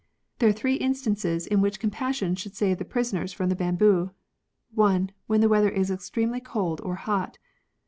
*' There are three instances in which compassion should save the prisoners from the bamboo. (1.) When the weather is extremely cold or hot.